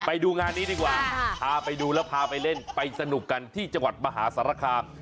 ไปดูงานนี้ดีกว่าพาไปดูแล้วพาไปเล่นไปสนุกกันที่จังหวัดมหาสารคาม